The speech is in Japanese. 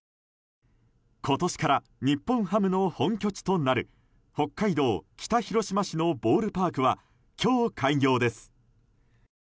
今年から日本ハムの本拠地となる北海道北広島市のボールパークは今日開業です。